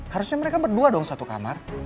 harusnya mereka berdua dong satu kamar